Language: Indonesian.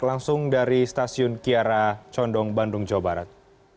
langsung dari stasiun kiara condong bandung jawa barat